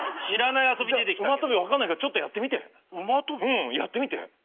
うんやってみて。